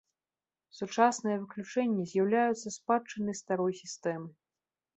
Сучасныя выключэнні з'яўляюцца спадчынай старой сістэмы.